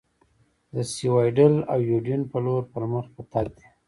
د سیوایډل او یوډین په لور پر مخ په تګ دي.